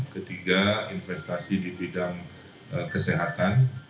ketiga investasi di bidang kesehatan